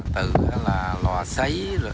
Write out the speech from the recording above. từ là lò xáy